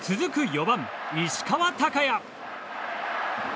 ４番、石川昂弥。